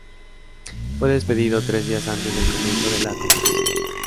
Fue despedido tres días antes del comienzo de la competición.